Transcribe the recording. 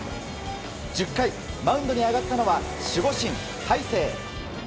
１０回マウンドに上がったのは守護神、大勢。